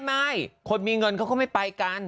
ไม่คนมีเงินเขาก็ไม่ไปกัน